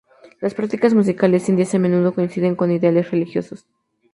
Las prácticas musicales indias a menudo coinciden con ideales religiosos.